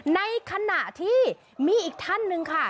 ในขณะที่มีอีกท่านหนึ่งค่ะ